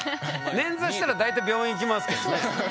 捻挫したら大体病院行きますけどね。